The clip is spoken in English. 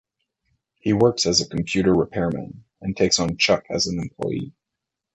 He works as a computer repairman and takes on Chuck as an employee.